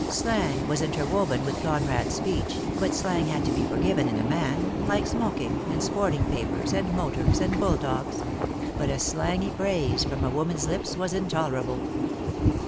Slang was interwoven with Conrad's speech, but slang had to be forgiven in a man, like smoking, and sporting papers, and motors, and bull dogs; DEAD LOVE HAS CHAINS. 'I43 but a slangy phrase from a woman's lips was in tolerable.